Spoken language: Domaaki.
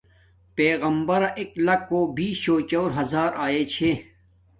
پݵغمبرݳ ݳݵک لݳکݸ بیشݸ چَݸُر ہزݳر آئݺ چھݺ.